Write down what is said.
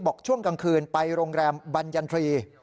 บอกช่วงกลางคืนไปโรงแรมบัญญัตรี